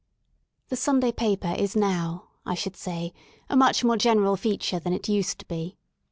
The Sunday paper is now, I should say, a much more general feature than it used to be.